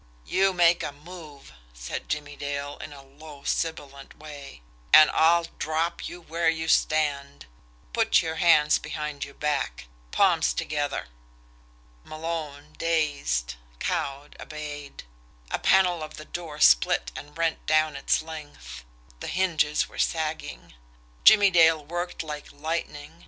"You make a move," said Jimmie Dale, in a low sibilant way, "and I'll drop you where you stand! Put your hands behind your back palms together!" Malone, dazed, cowed, obeyed. A panel of the door split and rent down its length the hinges were sagging. Jimmie Dale worked like lightning.